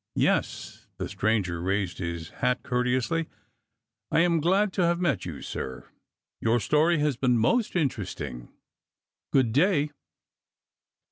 " Yes." The stranger raised his hat courteously. '' I am glad to have met you, sir. Your story has been most interesting. Good day."